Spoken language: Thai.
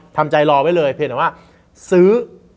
ทำใจรอไว้เลยเพราะฉะนั้นว่าซื้อ